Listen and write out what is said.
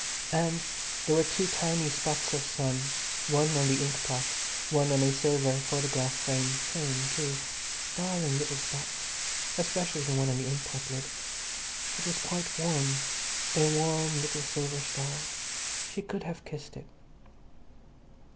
And there were two tiny spots of sun, one on the inkpot, one on a silver photograph frame, playing too. Darling little spots. Especially the one on the inkpot lid. It was quite warm. A warm little silver star. She could have kissed it.